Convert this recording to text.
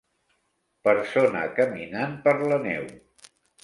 Persona caminant per la neu.